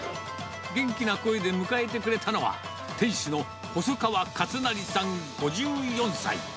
元気な声で迎えてくれたのは、店主の細川勝也さん５４歳。